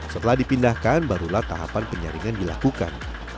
setelah dipindahkan barulah tahapan penyaringan dilakukan